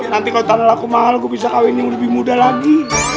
nanti kalau tanah aku mahal gue bisa kawin yang lebih muda lagi